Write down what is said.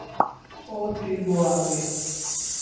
اورپھر وہ آگئے۔